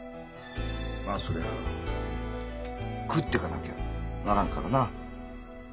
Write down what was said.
まあそりゃ食ってかなきゃならんからな。